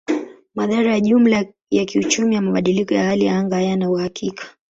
Madhara ya jumla ya kiuchumi ya mabadiliko ya hali ya anga hayana uhakika.